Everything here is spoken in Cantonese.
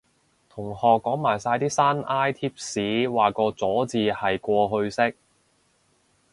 同學講埋晒啲山埃貼士話個咗字係過去式